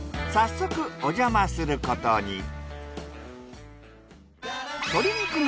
早速おじゃますることに。